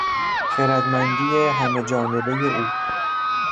خردمندی همه جانبهی او